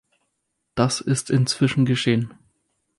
Das ist inzwischen geschehen.